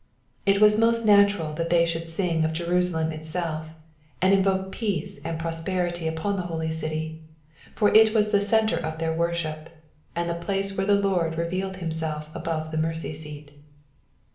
It u>as most natural that they should sing of Jerusalem itself and int?oke peace and prosperity upon the Holy i^ty, for tt xjoas the centre of their worship, and the place where the Lord revealed himself above the mercy seat.